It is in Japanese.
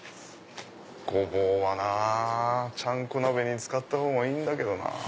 ゴボウはなぁちゃんこ鍋に使ったほうがいいんだけどなぁ。